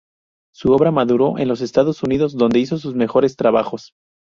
Su obra maduró en los Estados Unidos, donde hizo sus mejores trabajos.